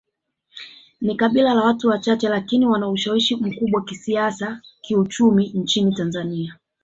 Ni kabila la watu wachache lakini wana ushawishi mkubwa kisiasa kiuchumi nchini Tanzania